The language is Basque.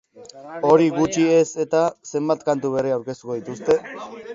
Hori gutxi ez eta, zenbait kantu berri aurkeztuko dituzte.